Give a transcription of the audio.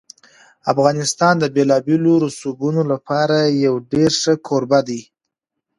افغانستان د بېلابېلو رسوبونو لپاره یو ډېر ښه کوربه دی.